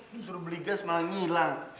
lo suruh beli gas malah ngilang